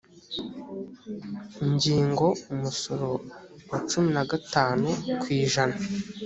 ngingo umusoro wa cumi na gatanu ku ijana